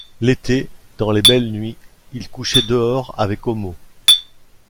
L’été, dans les belles nuits, il couchait dehors, avec Homo.